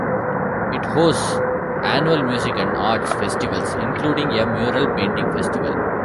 It hosts annual music and arts festivals, including a mural-painting festival.